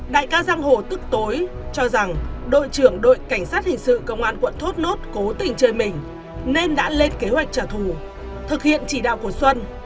đại ca giang hồ tức tối cho rằng đội trưởng đội cảnh sát hình sự công an quận thốt nốt cố tình chơi mình nên đã lên kế hoạch trả thù thực hiện chỉ đạo của xuân